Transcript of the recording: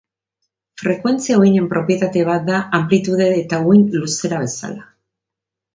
Frekuentzia uhinen propietate bat da anplitude eta uhin luzera bezala.